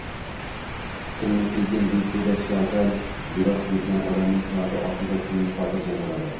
Tilini tiygan, behuda ishlardan yiroq yurgan odamning hayoti osuda, ko‘ngli xotirjam bo‘ladi.